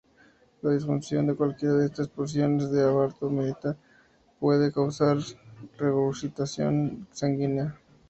La disfunción de cualquiera de estas porciones del aparato mitral puede causar regurgitación sanguínea.